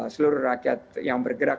seluruh rakyat yang bergerak